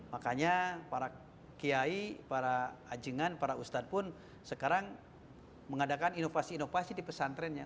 makanya para kiai para ajingan para ustadz pun sekarang mengadakan inovasi inovasi di pesantrennya